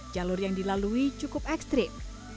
jalur yang dilalui cukup ekstrim